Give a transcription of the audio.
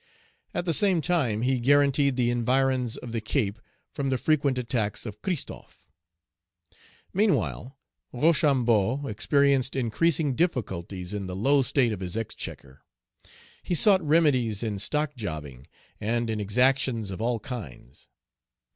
At the same time he guaranteed the environs of the Cape from the frequent attacks of Christophe. Meanwhile, Rochambeau experienced increasing difficulties in the low state of his exchequer. He sought remedies in stock jobbing, and in exactions of all kinds.